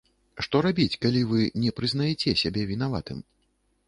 Што рабіць, калі вы не прызнаеце сябе вінаватым?